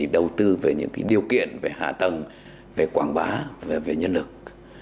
đầu tư về những điều kiện về hạ tầng về quảng bá về nhân lực